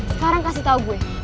sekarang kasih tau gue